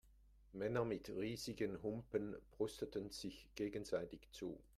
Männer mit riesigen Humpen prosteten sich gegenseitig zu.